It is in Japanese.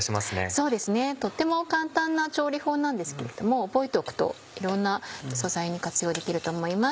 そうですねとっても簡単な調理法なんですけれども覚えておくといろんな素材に活用できると思います。